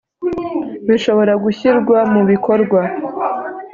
bishobora gushyirwa mu bikorwa